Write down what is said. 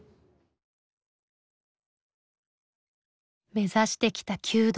目指してきた弓道。